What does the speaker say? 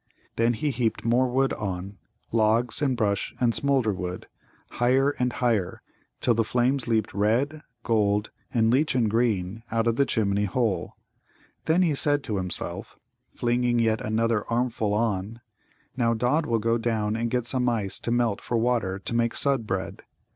Then he heaped more wood on logs and brush and smoulder wood higher and higher, till the flames leapt red, gold, and lichen green out of the chimney hole. Then he said to himself, flinging yet another armful on: "Now Nod will go down and get some ice to melt for water to make Sudd bread."